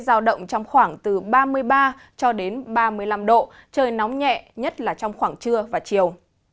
nhiệt độ cao động trong khoảng từ ba mươi ba cho đến ba mươi năm độ trời nóng nhẹ nhất là trong khoảng trưa và chiều